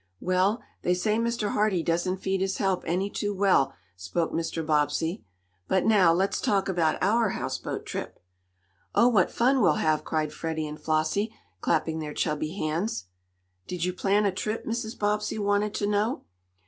"Well, they say Mr. Hardee doesn't feed his help any too well," spoke Mr. Bobbsey. "But now let's talk about our houseboat trip." "Oh, what fun we'll have!" cried Freddie and Flossie, clapping their chubby hands. "Did you plan a trip?" Mrs. Bobbsey wanted to know.